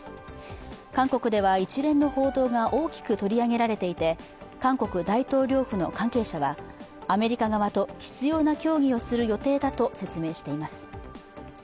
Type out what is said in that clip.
韓国では一連の報道が大きく取り上げられていて韓国大統領府の関係者は、アメリカ側と必要な協議をする予定だと説明しています。